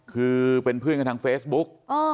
คือเป็นเพื่อนกันทางเฟซบุ๊ก